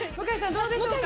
どうでしょうか？